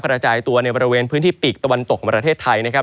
กระจายตัวในบริเวณพื้นที่ปีกตะวันตกของประเทศไทยนะครับ